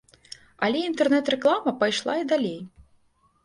Але інтэрнэт-рэклама пайшла і далей.